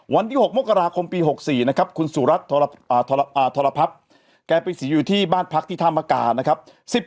วันที่๖มกราคมปี๖๔นะครับคุณสุรัตนทรพัฒน์แกไปเสียอยู่ที่บ้านพักที่ธามกานะครับ